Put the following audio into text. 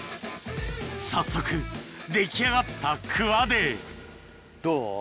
早速出来上がったクワでどう？